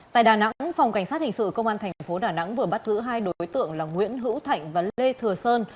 tại đà nẵng phòng cảnh sát hình sự công an thành phố đà nẵng vừa bắt giữ hai đối tượng là nguyễn hữu thạnh và lê thừa sơn